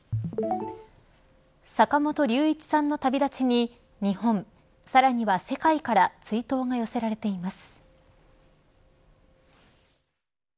坂本龍一さんの旅立ちに日本さらには世界から追悼が寄せられています。